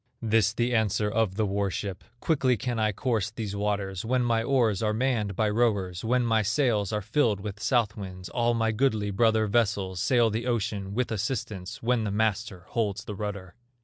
This the answer of the war ship: "Quickly can I course these waters, When my oars are manned by rowers, When my sails are filled with south winds, All my goodly brother vessels Sail the ocean with assistance, When the master holds the rudder."